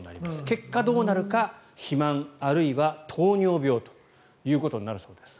結果、どうなるか肥満あるいは糖尿病ということになるそうです。